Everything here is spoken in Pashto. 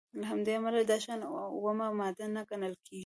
له همدې امله دا شیان اومه ماده نه ګڼل کیږي.